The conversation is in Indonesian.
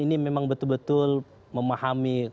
ini memang betul betul memahami